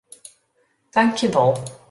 Tankjewol.